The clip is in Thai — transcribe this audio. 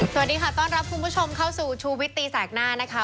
สวัสดีค่ะต้อนรับคุณผู้ชมเข้าสู่ชูวิตตีแสกหน้านะคะ